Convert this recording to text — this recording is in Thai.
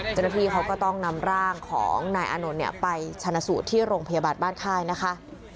เจ้าหน้าที่เขาก็ต้องนำร่างของนายอานนท์เนี่ยไปชนะสูตรที่โรงพยาบาลบ้านค่ายนะคะ